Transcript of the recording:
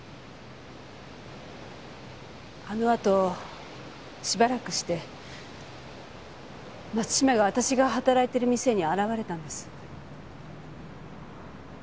あのあとしばらくして松島が私が働いてる店に現れたんです。